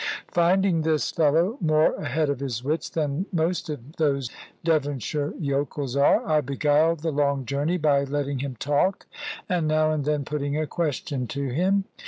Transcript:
Finding this fellow more ahead of his wits than most of those Devonshire yokels are, I beguiled the long journey by letting him talk, and now and then putting a question to him.